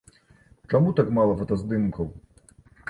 Чаму так мала фотаздымкаў?